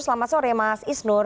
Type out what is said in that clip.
selamat sore mas isnur